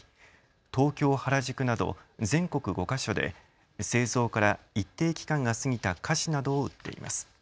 東京原宿など全国５か所で製造から一定期間が過ぎた菓子などを売っています。